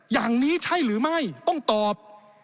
อย่างนี้ใช่หรือไม่ต้องตอบ